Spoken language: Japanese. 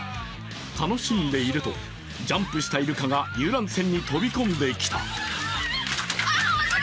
楽しんでいると、ジャンプしたイルカが遊覧船に飛び込んできた。